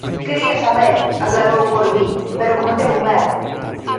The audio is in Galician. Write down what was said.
"Quería saber", aclarou Corbí, "pero cometeu un erro".